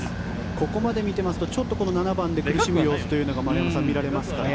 ここまで見てますと７番で苦しむ様子が丸山さん、見られますか。